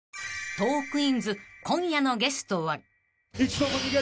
［『トークィーンズ』今夜のゲストは］